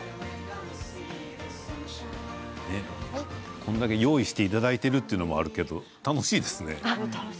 これだけ用意していただいているというのもありますけど楽しいですね。